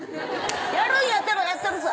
やるんやったらやったるぞ。